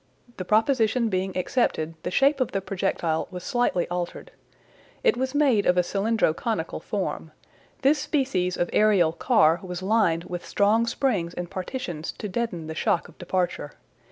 The proposition being accepted, the shape of the projectile was slightly altered. It was made of a cylindro conical form. This species of aerial car was lined with strong springs and partitions to deaden the shock of departure.